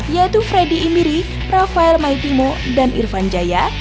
yaitu freddy imbiri rafael maikimo dan irvan jaya